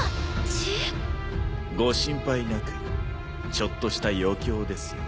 血？ご心配なくちょっとした余興ですよ。